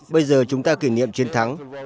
bây giờ chúng ta kỷ niệm chiến thắng